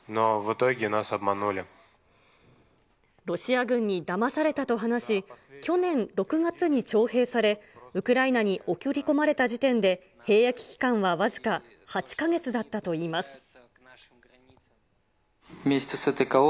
ロシア軍にだまされたと話し、去年６月に徴兵され、ウクライナに送り込まれた時点で、兵役期間は僅か８か月だったといいます。